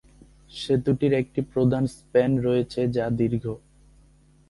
সেতুটির একটি প্রধান স্প্যান রয়েছে যা দীর্ঘ।